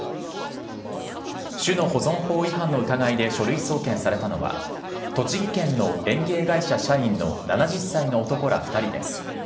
種の保存法違反の疑いで書類送検されたのは、栃木県の園芸会社社員の７０歳の男ら２人です。